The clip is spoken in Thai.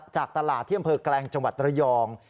จากตลาดที่อำเภอแกลงจังหวัดระยอง